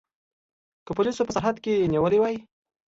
که پولیسو په سرحد کې نیولي وای.